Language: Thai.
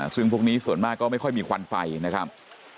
ซึ่งพวกนี้ส่วนมากก็ไม่ค่อยมีควันไฟนะครับ